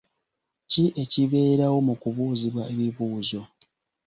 ki ekibeerawo mu kubuuzibwa ebibuuzo?